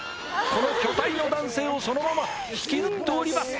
この巨体の男性をそのまま引きずっております